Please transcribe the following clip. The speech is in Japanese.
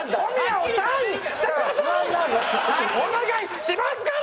お願いしますから！！